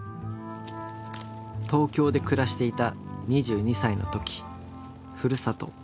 東京で暮らしていた２２歳の時ふるさと